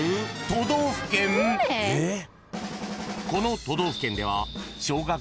［この都道府県では］